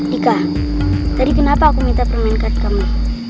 dika tadi kenapa aku minta permen karet kamu